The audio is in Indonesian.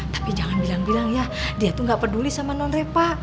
tapi jangan bilang bilang ya dia tuh gak peduli sama non repa